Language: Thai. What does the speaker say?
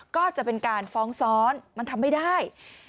ก็จะเป็นการฟ้องซ้อนมันทำไม่ได้